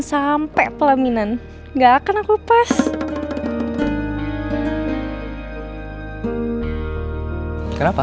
sampai pelaminan nggak akan aku pas kenapa